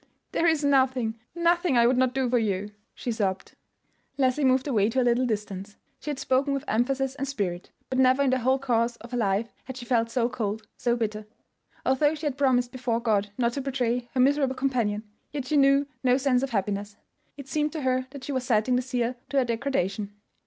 "There is nothing—nothing I would not do for you," she sobbed. Leslie moved away to a little distance. She had spoken with emphasis and spirit, but never in the whole course of her life had she felt so cold, so bitter. Although she had promised before God not to betray her miserable companion, yet she knew no sense of happiness. It seemed to her that she was setting the seal to her degradation.